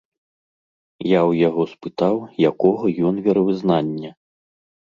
Я ў яго спытаў, якога ён веравызнання.